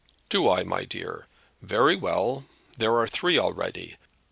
"Do I, my dear? Very well. There are three already.